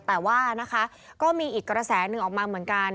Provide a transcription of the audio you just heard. แต่ว่านะคะก็มีอีกกระแสหนึ่งออกมาเหมือนกัน